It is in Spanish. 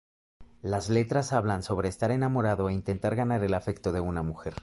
Las letras hablan sobre estar enamorado e intentar ganar el afecto de una mujer.